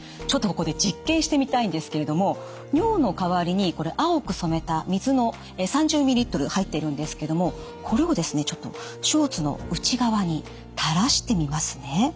ちょっとここで実験してみたいんですけれども尿の代わりにこれ青く染めた水の３０ｍＬ入っているんですけどもこれをですねちょっとショーツの内側にたらしてみますね。